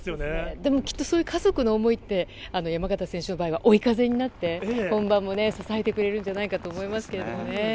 でも、きっとそういう家族の思いって山縣選手の場合は追い風になって本番で支えてくれるんじゃないかと思いますけどね。